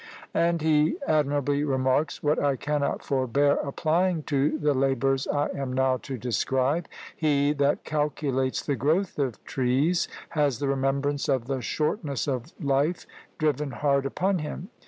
And he admirably remarks, what I cannot forbear applying to the labours I am now to describe: "He that calculates the growth of trees has the remembrance of the shortness of life driven hard upon him.